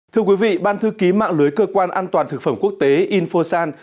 thưa quý vị ban thư ký mạng lưới cơ quan an toàn thực phẩm quốc tế infosan